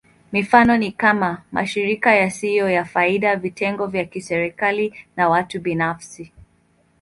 Mifano ni kama: mashirika yasiyo ya faida, vitengo vya kiserikali, na watu binafsi.